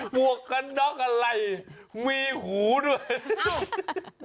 วกกันน็อกอะไรมีหูด้วย